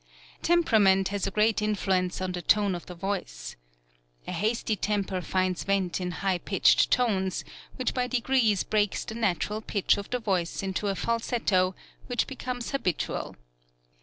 Temperament has a great influence on the tone of the voice. A hasty temper finds vent in high pitched tones, which by degrees breaks the natural pitch of the voice into a falsetto, which be comes habitual.